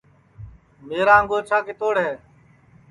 میرا انگوچھا کِتوڑ ہے